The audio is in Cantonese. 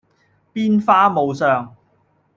變化無常